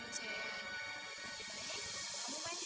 di mana itu